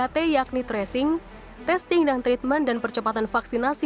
tiga t yakni tracing testing dan treatment dan percepatan vaksinasi